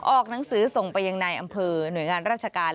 ออกหนังสือส่งไปยังในอำเภอหน่วยงานราชการ